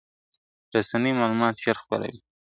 رسنۍ معلومات ژر خپروي.